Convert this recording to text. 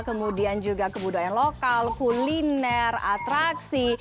kemudian juga kebudayaan lokal kuliner atraksi